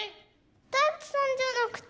大仏さんじゃなくて？